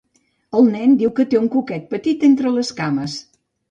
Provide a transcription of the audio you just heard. El nen diu que té un cuquet petitet entre les cames.